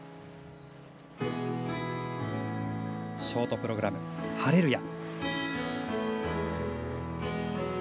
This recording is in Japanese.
ショートプログラム「ハレルヤ」。